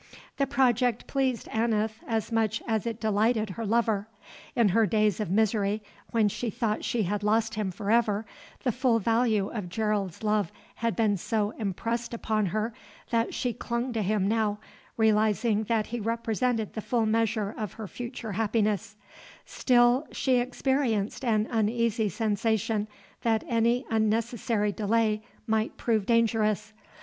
The project pleased Aneth as much as it delighted her lover. In her days of misery, when she thought she had lost him forever, the full value of Gerald's love had been so impressed upon her that she clung to him now, realizing that he represented the full measure of her future happiness; still, she experienced an uneasy sensation that any unnecessary delay might prove dangerous.